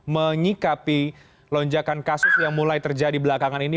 menyikapi lonjakan kasus yang mulai terjadi belakangan ini